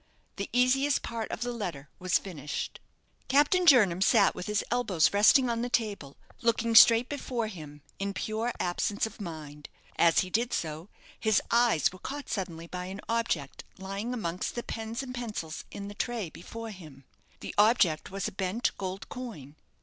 The easiest part of the letter was finished. Captain Jernam sat with his elbows resting on the table, looking straight before him, in pure absence of mind. As he did so, his eyes were caught suddenly by an object lying amongst the pens and pencils in the tray before him. That object was a bent gold coin.